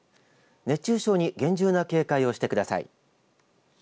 熱中症に厳重な警戒をしてください。